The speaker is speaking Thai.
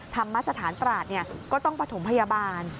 ทำมาสถานตราดนี่ก็ต้องปฐมพยาบาล